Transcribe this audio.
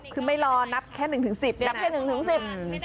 คือไม่รอนับแค่หนึ่งถึงสิบ